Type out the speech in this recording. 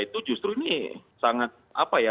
itu justru ini sangat apa ya